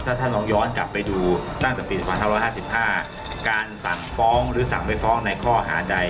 ถ้าท่านลองย้อนกลับไปดูตั้งแต่ปี๒๕๕๕การสั่งฟ้องหรือสั่งไปฟ้องในข้อหาใด